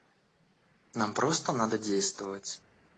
Нам просто надо действовать.